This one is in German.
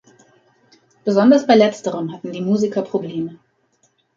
Besonders bei letzterem hatten die Musiker Probleme.